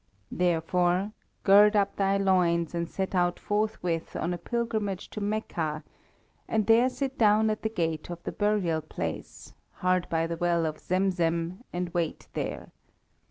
Therefore gird up thy loins and set out forthwith on a pilgrimage to Mecca, and there sit down at the gate of the burial place, hard by the well of Zemzem, and wait there.